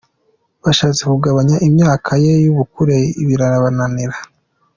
Bashatse kugabanya imyaka ye y’ubukure birananirana.